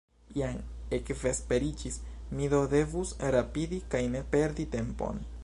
Jam ekvesperiĝis, mi do devus rapidi kaj ne perdi tempon.